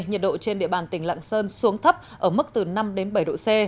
nhiệt độ trên địa bàn tỉnh lạng sơn xuống thấp ở mức từ năm đến bảy độ c